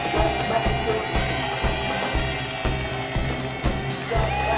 กับไม่ตุก